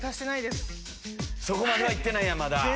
そこまでは行ってないんやまだ。